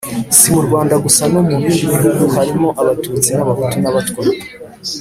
si mu rwanda gusa: no mu bindi bihugu harimo abatutsi n’abahutu n’abatwa,